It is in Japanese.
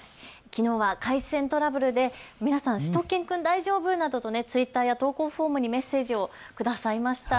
きのうは回線トラブルで皆さん、しゅと犬くん大丈夫？などとツイッターや投稿フォームにメッセージをくださいました。